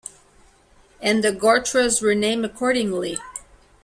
And the gotras were named accordingly.